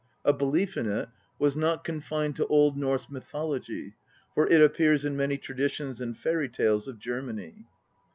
A belief in it was not con fined to Old Norse mythology, for it appears in many traditions and fairy tales of Germany.